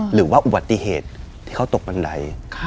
หรือว่าอุบัติเหตุที่เขาตกบันได